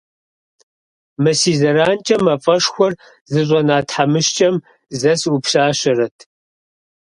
Мы си зэранкӏэ мафӏэшхуэр зыщӏэна тхьэмыщкӏэм зэ сыӏуплъащэрэт.